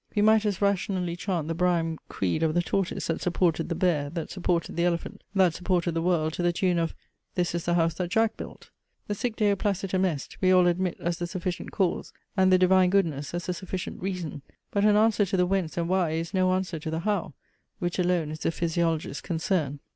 We might as rationally chant the Brahim creed of the tortoise that supported the bear, that supported the elephant, that supported the world, to the tune of "This is the house that Jack built." The sic Deo placitum est we all admit as the sufficient cause, and the divine goodness as the sufficient reason; but an answer to the Whence and Why is no answer to the How, which alone is the physiologist's concern.